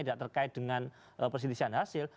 tidak terkait dengan perselisihan hasil